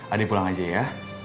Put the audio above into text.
ade pulang aja ya